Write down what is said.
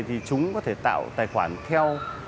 thì chúng có thể tạo tài khoản theo